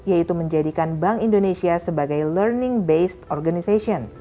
yaitu menjadikan bank indonesia sebagai learning based organization